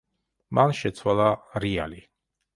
მან შეცვალა რიალი.